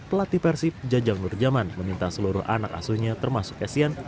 pelatih persib jajang nurjaman meminta seluruh anak asuhnya termasuk essien